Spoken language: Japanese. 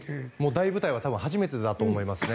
大舞台は初めてだと思いますね。